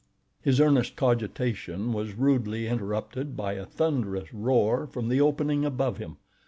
His earnest cogitation was rudely interrupted by a thunderous roar from the opening above him.